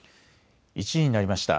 １時になりました。